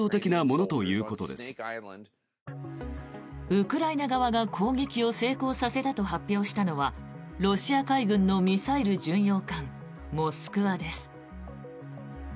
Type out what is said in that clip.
ウクライナ側が攻撃を成功させたと発表したのはロシア海軍のミサイル巡洋艦「モスクワ」です。